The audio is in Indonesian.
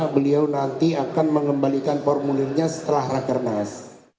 beliau nanti akan mengembalikan formulirnya setelah rakernas